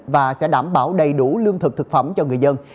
và sẽ đảm bảo đầy đủ lương thực thực phẩm cho người dân